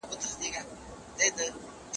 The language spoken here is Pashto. د الله د حقونو په اړه فکر وکړه.